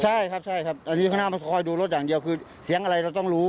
ใช่ครับใช่ครับอันนี้ข้างหน้ามันคอยดูรถอย่างเดียวคือเสียงอะไรเราต้องรู้